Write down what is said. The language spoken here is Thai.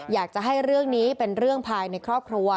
อยากจะให้เรื่องนี้เป็นเรื่องภายในครอบครัว